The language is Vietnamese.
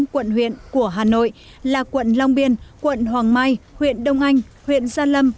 năm quận huyện của hà nội là quận long biên quận hoàng mai huyện đông anh huyện gia lâm